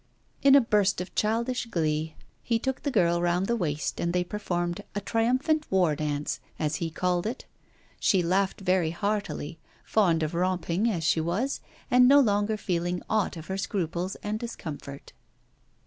In a burst of childish glee, he took the girl round the waist, and they performed 'a triumphant war dance,' as he called it. She laughed very heartily, fond of romping as she was, and no longer feeling aught of her scruples and discomfort.